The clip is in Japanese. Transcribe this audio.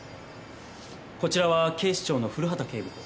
こちらは警視庁の古畑警部補。